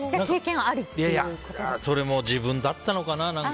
それも自分だったのかな？